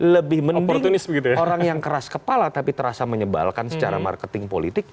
lebih orang yang keras kepala tapi terasa menyebalkan secara marketing politik